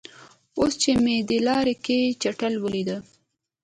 اوس چې مې دې لاره کې چټلي ولیده.